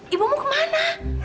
ibu mau kemana